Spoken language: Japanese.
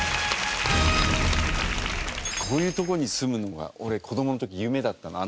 こういうとこに住むのが俺子供の時夢だったの。